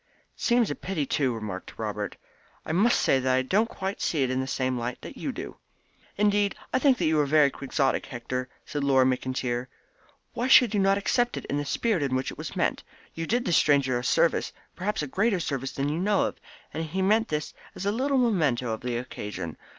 "It seems a pity too," remarked Robert. "I must say that I don't quite see it in the same light that you do." "Indeed I think that you are very Quixotic, Hector," said Laura McIntyre. "Why should you not accept it in the spirit in which it was meant? You did this stranger a service perhaps a greater service than you know of and he meant this as a little memento of the occasion.